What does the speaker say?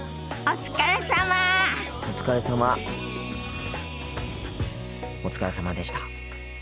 お疲れさまでした。